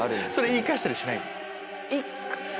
言い返したりしないの？